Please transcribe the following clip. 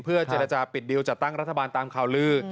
เจรจาปิดดิวจัดตั้งรัฐบาลตามข่าวลือ